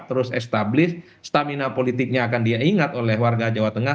terus establish stamina politiknya akan diingat oleh warga jawa tengah